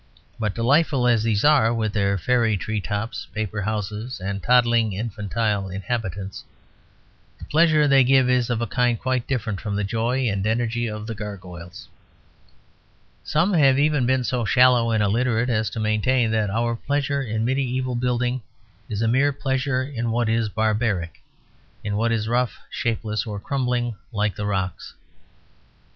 But delightful as these are, with their fairy tree tops, paper houses, and toddling, infantile inhabitants, the pleasure they give is of a kind quite different from the joy and energy of the gargoyles. Some have even been so shallow and illiterate as to maintain that our pleasure in medieval building is a mere pleasure in what is barbaric, in what is rough, shapeless, or crumbling like the rocks.